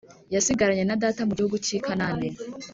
yasigaranye na data mu gihugu cy’i Kanani